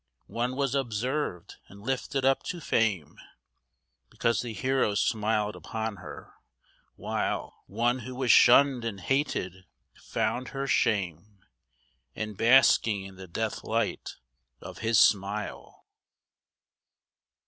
One was observed, and lifted up to fame, Because the hero smiled upon her! while One who was shunned and hated, found her shame In basking in the death light of his smile.